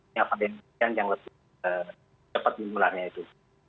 memang punya pandemi yang lebih cepat dimulainya itu